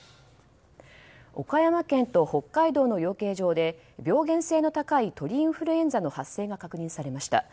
岡山県と北海道の養鶏場で病原性の高い鳥インフルエンザの発生が確認されました。